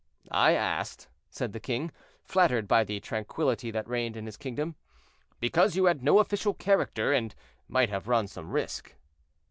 "I asked," said the king, flattered by the tranquillity that reigned in his kingdom, "because you had no official character, and might have run some risk."